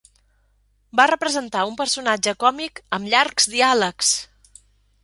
Va representar un personatge còmic amb llargs diàlegs.